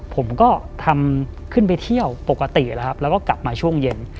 ผมก็ทำขึ้นไปเที่ยวปกติแล้วครับแล้วก็กลับมาช่วงเย็น